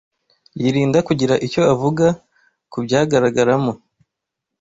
yirinda kugira icyo avuga ku byagaragaramo